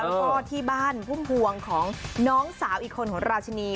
แล้วก็ที่บ้านพุ่มพวงของน้องสาวอีกคนของราชินี